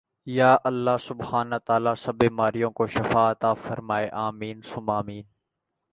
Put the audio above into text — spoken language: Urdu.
یا اللّٰہ سبحان اللّٰہ تعالی سب بیماروں کو شفاء عطاء فرمائے آمین ثم آمین